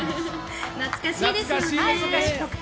懐かしいですよね。